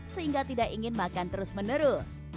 sehingga tidak ingin makan terus menerus